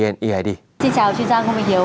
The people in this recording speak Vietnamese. xin chào chuyên gia ngô minh hiếu